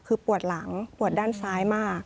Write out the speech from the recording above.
คือปวดหลังปวดด้านซ้ายมาก